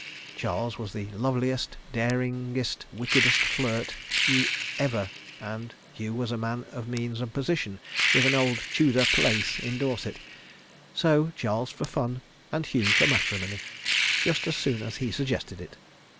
Charles was the loveliest, daringest, wickedest flirt you ever—and Hugh was a man of means and position, with an old Tudor "place" in Dorset. So Charles for fun—and Hugh for matrimony, just as soon as he suggested it.